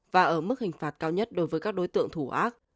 và ở mức hình phạt cao nhất đối với các đối tượng thủ ác